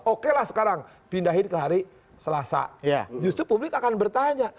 oke lah sekarang pindahin ke hari selasa justru publik akan bertanya